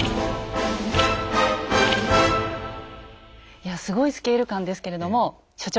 いやすごいスケール感ですけれども所長。